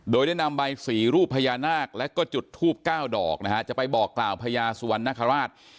โดยได้นำใบสีรูปพญานาคแล้วก็จุดทูบ๙ดอกนะฮะจะไปบอกกล่าวพญาสุวรรณคราช